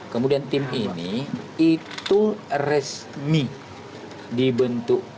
kemudian tim ini itu resmi dibentuk